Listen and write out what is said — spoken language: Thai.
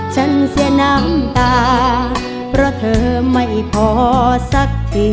ฉันเสียน้ำตาเพราะเธอไม่พอสักที